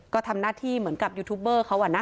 ก็ทำหน้าที่เหมือนกับยูทูบเบอร์เขาอะนะ